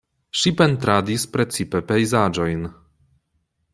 Ŝi pentradis precipe pejzaĝojn.